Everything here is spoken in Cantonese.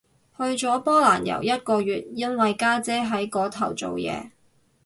去咗波蘭遊一個月，因為家姐喺嗰頭做嘢